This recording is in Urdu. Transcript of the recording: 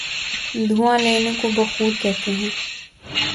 دھواں لینے کو بخور کہتے ہیں۔